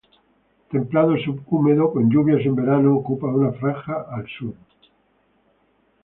Templado subhúmedo con lluvias en verano, ocupa una franja al sur.